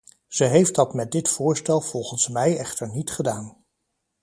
Ze heeft dat met dit voorstel volgens mij echter niet gedaan.